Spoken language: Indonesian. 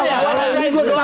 gue ngerasain gue ketawa